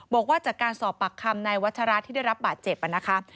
บอกว่าจากการสอบปากคำนายวัชราที่ได้รับบาดเจ็บนะคะ